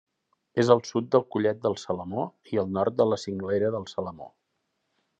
És al sud del Collet del Salamó i al nord de la Cinglera del Salamó.